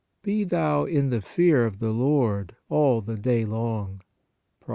" Be thou in the fear of the Lord all the day long " (Prov.